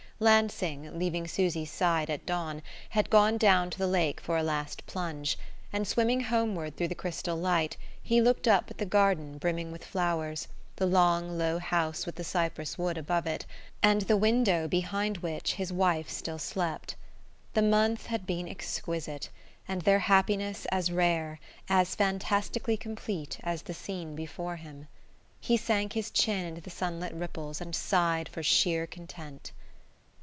Lansing, leaving Susy's side at dawn, had gone down to the lake for a last plunge; and swimming homeward through the crystal light he looked up at the garden brimming with flowers, the long low house with the cypress wood above it, and the window behind which his wife still slept. The month had been exquisite, and their happiness as rare, as fantastically complete, as the scene before him. He sank his chin into the sunlit ripples and sighed for sheer content....